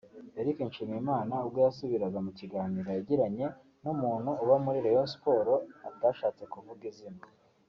Eric Nshimiyimana ubwo yasubiraga mu kiganiro yagiranye n’umuntu uba muri Rayon Sports (atashatse kuvuga izina)